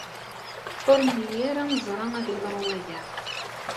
Ur nelli ara neẓra ad yeḍru waya.